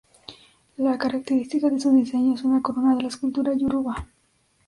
La característica de su diseño es una corona de la escultura yoruba.